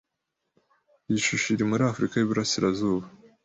Iyi shusho iri muri Afrika yuburasirazuba